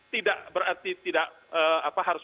tidak berarti tidak harus